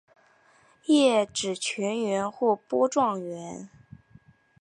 叶纸全缘或波状缘。